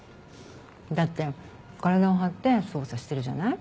だって体を張って捜査してるじゃない？